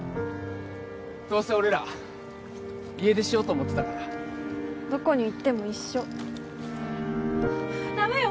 どうせ俺ら家出しようと思ってたからどこに行っても一緒ダメよ